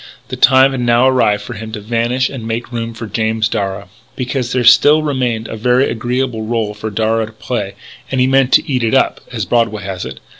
The time had now arrived for him to vanish and make room for James Darragh. Because there still remained a very agreeable rôle for Darragh to play. And he meant to eat it up as Broadway has it.